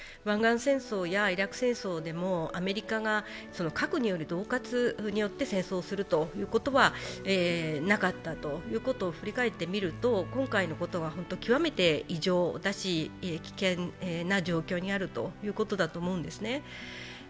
湾岸戦争やイラク戦争でもアメリカが核によるどう喝によって戦争をするということはなかったということを振り返ってみると、今回のことは極めて異常だし危険な状況にあるということだと思うんですね。